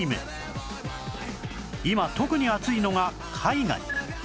今特に熱いのが海外